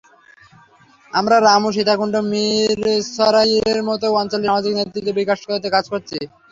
আমরা রামু, সীতাকুণ্ড, মিরসরাইয়ের মতো অঞ্চলে সামাজিক নেতৃত্ব বিকাশে কাজ করছি।